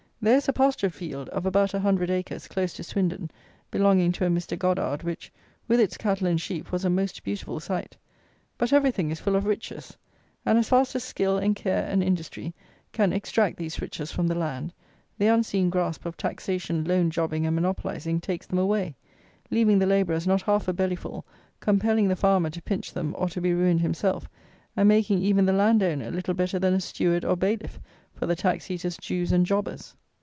There is a pasture field, of about a hundred acres, close to Swindon, belonging to a Mr. Goddard, which, with its cattle and sheep, was a most beautiful sight. But everything is full of riches; and, as fast as skill and care and industry can extract these riches from the land, the unseen grasp of taxation, loan jobbing and monopolizing takes them away, leaving the labourers not half a belly full, compelling the farmer to pinch them or to be ruined himself, and making even the landowner little better than a steward, or bailiff, for the tax eaters, Jews and jobbers!